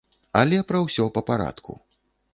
Але пра ўсё па-парадку.